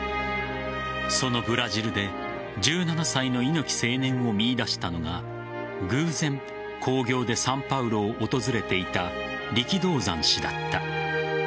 そのブラジルで１７歳の猪木青年を見いだしたのが偶然、興行でサンパウロを訪れていた力道山氏だった。